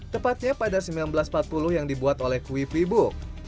tepatnya pada seribu sembilan ratus empat puluh yang dibuat oleh kue freebook